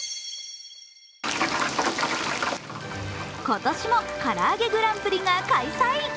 今年もからあげグランプリが開催。